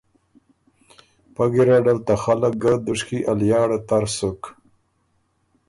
پۀ ګیرډه ل ته خلق ګۀ دُشکی ا لیاړه تر سُک،